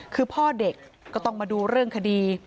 คือพ่อเด็กก็ต้องมาดูเรื่องคดี